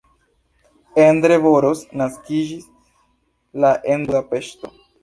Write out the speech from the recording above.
Endre Boros naskiĝis la en Budapeŝto.